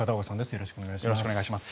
よろしくお願いします。